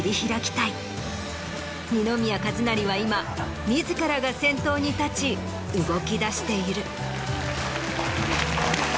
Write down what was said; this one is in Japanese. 二宮和也は今自らが先頭に立ち動きだしている。